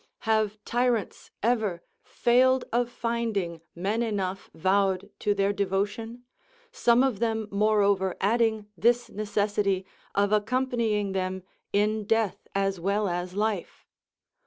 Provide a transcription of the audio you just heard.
Have tyrants ever failed of finding men enough vowed to their devotion? some of them moreover adding this necessity, of accompanying them in death as well as life?